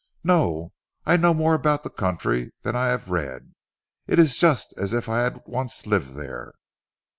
"No! I know more about the country than I have read. It is just as if I had once lived there."